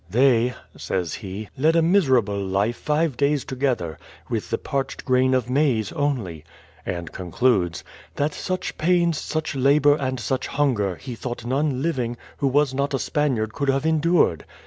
"They," says he, "led a miserable life five days together, with the parched grain of maize only," and concludes, "that such pains, such labour, and such hunger, he thought none living, who was not a Spaniard could have endured."